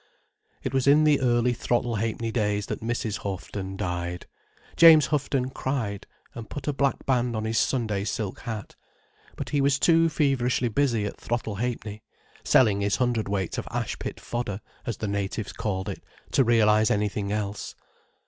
It was in the early Throttle Ha'penny days that Mrs. Houghton died. James Houghton cried, and put a black band on his Sunday silk hat. But he was too feverishly busy at Throttle Ha'penny, selling his hundredweights of ash pit fodder, as the natives called it, to realize anything else.